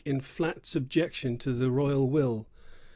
in flat subjection to the royal will.